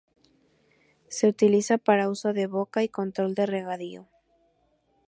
Se utiliza para uso de boca y control de regadío.